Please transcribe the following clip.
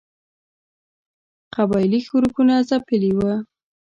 قبایلي ښورښونه ځپلي وه.